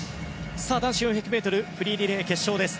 男子４００ｍフリーリレー決勝です。